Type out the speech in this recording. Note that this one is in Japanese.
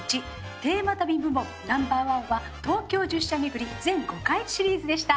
テーマ旅部門Ｎｏ．１は東京十社めぐり全５回シリーズでした。